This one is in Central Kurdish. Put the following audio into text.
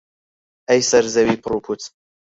ئەی سەر زەوی پڕ و پووچ